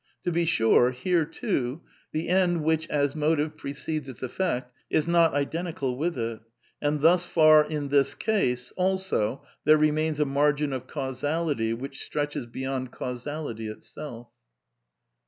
To be sure, here too, the end which, as motive, precedes its effect, is not identical with it; and thus far in this case also there remains a margin of causality which stretches beyond causality itself."